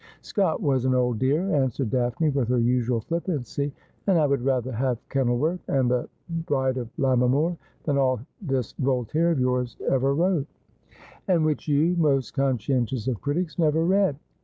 ' Scott was an old dear,' answered Daphne, with her usual flippancy, ' and I would rather have " Kenilworth " and " The Bride of Lammermoor" than all this Voltaire of yours ever wrote.' ' And which you, most conscientious of critics, never read.'